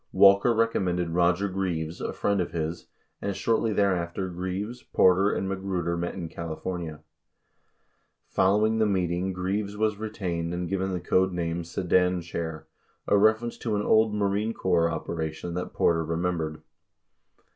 39 Walker recom mended Roger Greaves, a friend of his, and shortly thereafter Greaves, Porter, and Magruder met in California. Following the meeting Greaves was retained and given the code name "Sedan Chair," a ref erence to an old Marine Corps operation that Porter remembered.